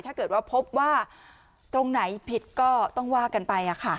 ถ้าเกิดว่าพบว่าตรงไหนผิดก็ต้องว่ากันไป